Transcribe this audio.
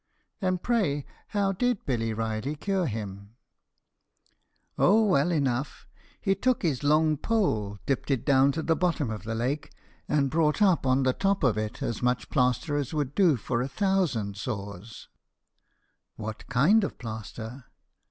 "And, pray, how did Billy Reily cure him?" "Oh, well enough. He took his long pole, dipped it down to the bottom of the lake, and brought up on the top of it as much plaster as would do for a thousand sores!" "What kind of plaster?"